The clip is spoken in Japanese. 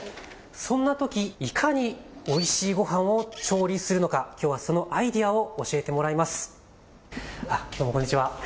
そんなときいかにおいしいごはんを調理するのか、きょうはそのアイデアを教えてもらいます。